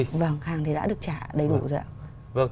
vâng hàng thì đã được trả đầy đủ rồi ạ